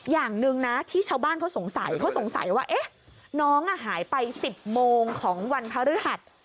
อย่างหนึ่งนะที่ชาวบ้านเขาสงสัยเขาสงสัยว่าน้องหายไป๑๐โมงของวันพระฤหัส